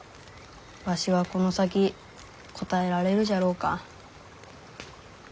わしはこの先応えられるじゃろうか？